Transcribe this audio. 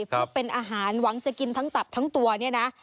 ปลูกเป็นอาหารหวังจะกินทั้งตัวนี้นะ